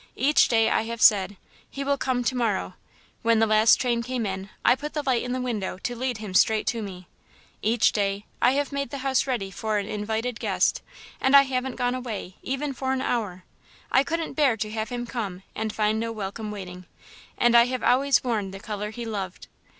Each day, I have said: 'he will come to morrow.' When the last train came in, I put the light in the window to lead him straight to me. Each day, I have made the house ready for an invited guest and I haven't gone away, even for an hour. I couldn't bear to have him come and find no welcome waiting, and I have always worn the colour he loved.